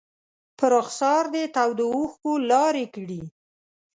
په رخسار دې تودو اوښکو لارې کړي